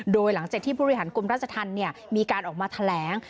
โดยหลังจากที่ผู้บริหารกรมราชธรรมมีการออกมาแถลง